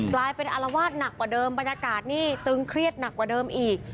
กลายเป็นอารวาสหนักกว่าเดิมบรรยากาศนี่ตึงเครียดหนักกว่าเดิมอีก